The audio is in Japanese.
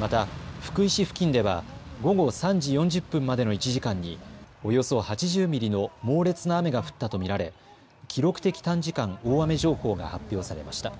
また福井市付近では午後３時４０分までの１時間におよそ８０ミリの猛烈な雨が降ったと見られ記録的短時間大雨情報が発表されました。